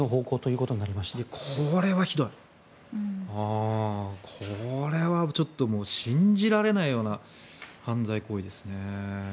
これはちょっと信じられないような犯罪行為ですね。